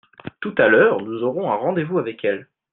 tout à l'heure nous aurons un rendez-vous avec elles.